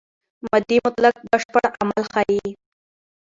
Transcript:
ماضي مطلق بشپړ عمل ښيي.